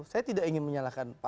saya tidak ingin menyalahkan pak s b